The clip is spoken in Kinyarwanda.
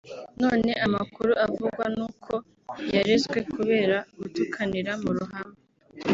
none amakuru avugwa ni uko yarezwe kubera gutukanira mu ruhame